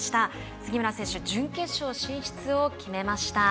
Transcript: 杉村選手準決勝進出を決めました。